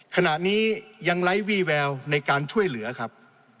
ขณะนี้ยังไร้วี่แววในการช่วยเหลือครับ